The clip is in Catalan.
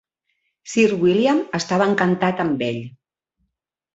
Sir William estava encantat amb ell.